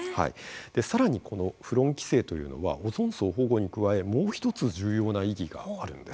更にこのフロン規制というのはオゾン層保護に加えもう一つ重要な意義があるんです。